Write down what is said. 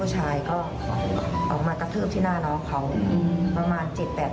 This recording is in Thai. ใช่เขาเข้าห้องเลย